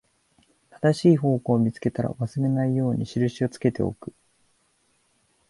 正しい方向を見つけたら、忘れないように印をつけておく